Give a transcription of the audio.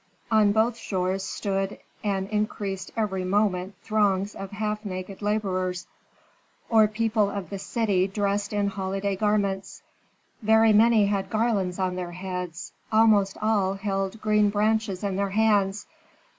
On both shores stood and increased every moment throngs of half naked laborers, or people of the city dressed in holiday garments. Very many had garlands on their heads, almost all held green branches in their hands.